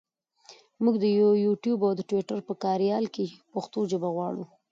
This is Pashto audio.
مونږ د یوټوپ او ټویټر په کاریال کې پښتو ژبه غواړو.